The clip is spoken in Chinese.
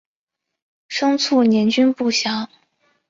生卒年均不详。